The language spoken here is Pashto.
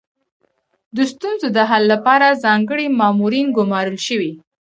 د ستونزو د حل لپاره ځانګړي مامورین ګمارل شوي.